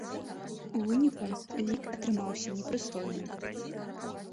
У выніку, лік атрымаўся непрыстойны.